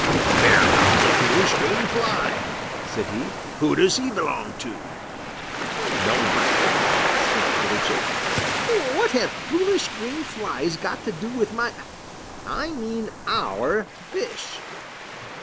"There comes a foolish green fly," said he. "Who does he belong to?" "Nobody!" snapped Little Joe. "What have foolish green flies got to do with my I mean our fish?"